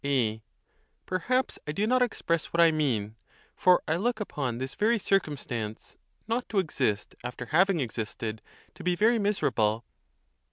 A. Perhaps I do not express what I mean, for I look upon this very circumstance, not to exist after having ex isted, to be very miserable.